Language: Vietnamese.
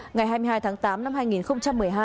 ngày hai mươi hai tháng tám năm hai nghìn một mươi hai